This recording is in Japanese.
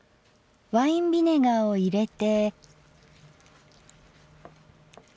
ワインビネガーを入れて。